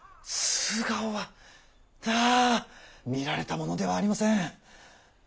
素顔はあ見られたものではありません。